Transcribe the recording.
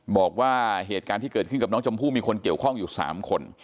บอกว่าเหตุการณ์ที่เกิดขึ้นกับน้องชมพู่มีคนเกี่ยวข้องอยู่๓คน